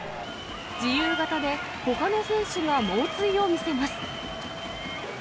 自由形でほかの選手が猛追を見せます。